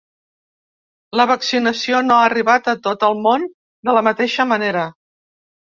La vaccinació no ha arribat a tot el món de la mateixa manera.